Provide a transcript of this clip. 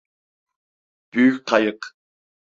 Büyük kayık.